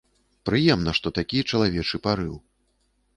Прыемна, што такі чалавечы парыў.